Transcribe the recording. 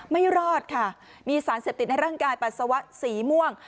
ไม่รอดค่ะมีสารเสพติดในร่างกายปัสสาวะสีม่วง